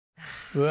うわ。